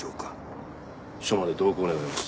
署まで同行願います。